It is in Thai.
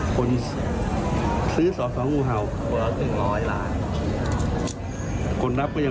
พี่หนูเรื่องงูเห่าค่ะเขาบอกว่าต้องซื้อมาก